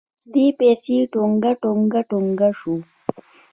دې پسې ټونګ ټونګ ټونګ شو.